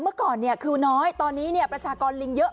เมื่อก่อนคือน้อยตอนนี้ประชากรลิงเยอะ